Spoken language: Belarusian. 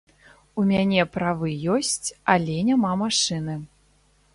У мяне правы ёсць, але няма машыны.